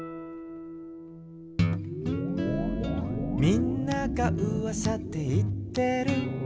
「みんながうわさでいってる」